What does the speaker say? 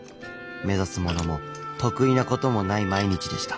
目指すものも得意なこともない毎日でした。